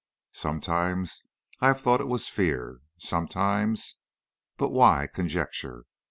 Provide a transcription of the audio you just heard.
Sometimes I have thought it was fear. Sometimes But why conjecture?